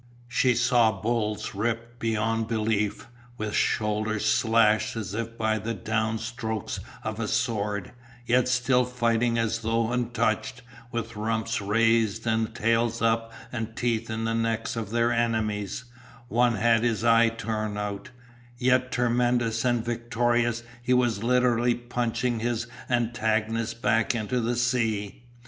She saw bulls ripped beyond belief, with shoulders slashed as if by the down strokes of a sword, yet still fighting as though untouched, with rumps raised and tails up and teeth in the necks of their enemies, one had his eye torn out, yet tremendous and victorious he was literally punching his antagonist back into the sea.